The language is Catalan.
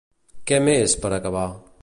Què més, per acabar?